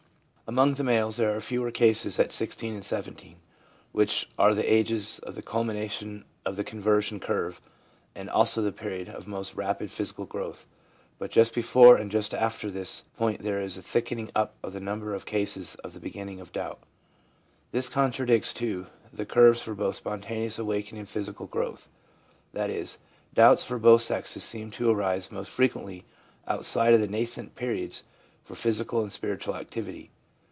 Among the males there are fewer cases at 16 and 17, which are the ages of the culmina tion of the conversion curve and also the period of most rapid physical growth, but just before and just after this point there is a thickening up of the number of cases of the beginning of doubt. This contradicts too the curves for both spontaneous awakening and physical growth. That is, doubts for both sexes seem to arise most frequently outside of the nascent periods for physical and spiritual activity.